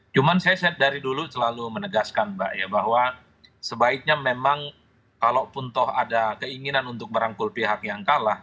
cuma saya dari dulu selalu menegaskan mbak ya bahwa sebaiknya memang kalaupun toh ada keinginan untuk merangkul pihak yang kalah